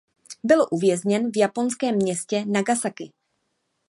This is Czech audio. Byl uvězněn v japonském městě Nagasaki.